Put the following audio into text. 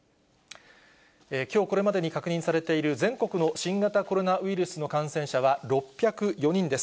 きょうこれまでに確認されている全国の新型コロナウイルスの感染者は６０４人です。